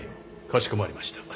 かしこまりました。